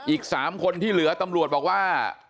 อีก๓คนที่เหลือตำรวจบอกว่า